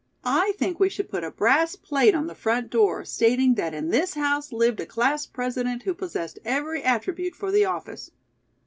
"I think we should put a brass plate on the front door, stating that in this house lived a class president who possessed every attribute for the office.